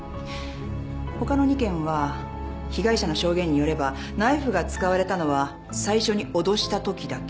ほかの２件は被害者の証言によればナイフが使われたのは最初に脅したときだけ。